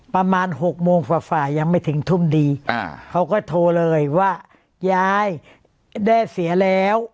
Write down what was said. ประมาณ๖โมงฝ่าฝ่ายังไม่ถึงทุ่มดีเขาก็โทรเลยว่ายายได้เสียแล้ว